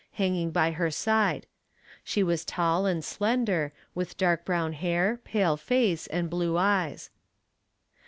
hanging by her side. She was tall and slender, with dark brown hair, pale face, and blue eyes.